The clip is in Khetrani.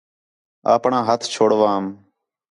اپݨاں ہَتھ چھوڑوام